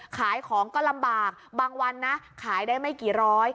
ขายของก็ลำบากบางวันนะขายได้ไม่กี่ร้อย